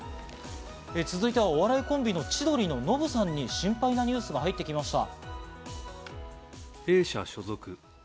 続いてはお笑いコンビの千鳥のノブさんに心配なニュースが入ってきました。